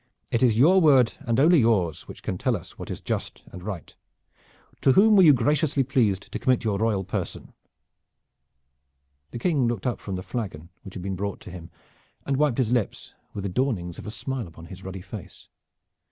It is your word and only yours which can tell us what is just and right. To whom were you graciously pleased to commit your royal person?" King John looked up from the flagon which had been brought to him and wiped his lips with the dawnings of a smile upon his ruddy face.